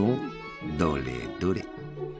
どれどれ？